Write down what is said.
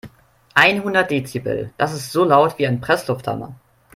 Einhundert Dezibel, das ist so laut wie ein Presslufthammer.